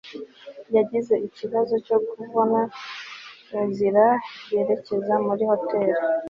yagize ikibazo cyo kubona inzira yerekeza muri hoteri